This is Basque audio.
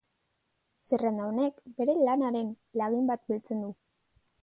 Zerrenda honek bere lanaren lagin bat biltzen du.